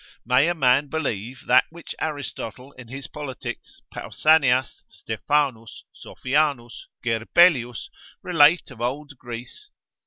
May a man believe that which Aristotle in his politics, Pausanias, Stephanus, Sophianus, Gerbelius relate of old Greece?